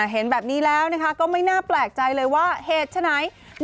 เห็นแบบนี้แล้วก็ไม่น่าแปลกใจเลยว่าเหตุฉะนั้น